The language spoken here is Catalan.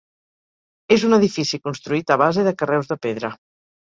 És un edifici construït a base de carreus de pedra.